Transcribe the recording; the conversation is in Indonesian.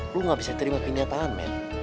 lo gak bisa terima keingetan men